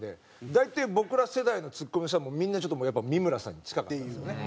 大体僕ら世代のツッコミの人はみんなちょっと三村さんに近かったですよね。